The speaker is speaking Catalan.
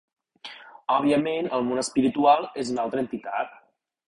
Òbviament, el món espiritual és una altra entitat.